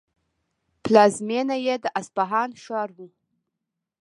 پلازمینه یې د اصفهان ښار و.